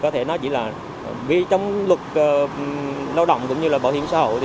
trong luật lao động cũng như bảo hiểm xã hội